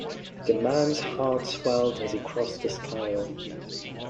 The man’s heart swelled as he crossed the stile.